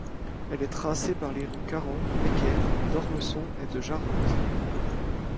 Elle est tracée par les rues Caron, Necker, d'Ormesson et de Jarente.